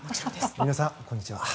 皆さん、こんにちは。